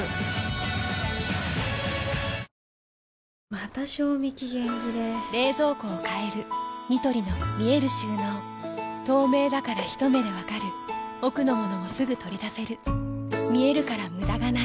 また賞味期限切れ冷蔵庫を変えるニトリの見える収納透明だからひと目で分かる奥の物もすぐ取り出せる見えるから無駄がないよし。